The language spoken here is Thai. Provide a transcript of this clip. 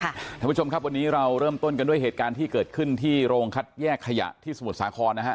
ท่านผู้ชมครับวันนี้เราเริ่มต้นกันด้วยเหตุการณ์ที่เกิดขึ้นที่โรงคัดแยกขยะที่สมุทรสาครนะฮะ